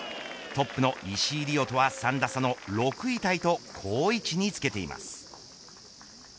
トップの石井理緒とは３打差の６位タイと好位置につけています。